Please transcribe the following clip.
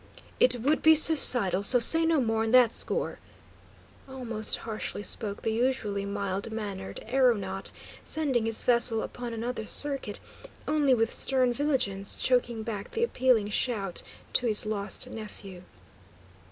"It would be suicidal, so say no more on that score," almost harshly spoke the usually mild mannered aeronaut, sending his vessel upon another circuit, only with stern vigilance choking back the appealing shout to his lost nephew.